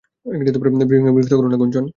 Briefing এ বিরক্ত করো না, গুঞ্জন।